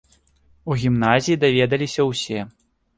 У гімназіі даведаліся ўсе.